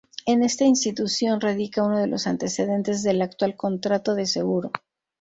En esta institución radica uno de los antecedentes del actual contrato de seguro.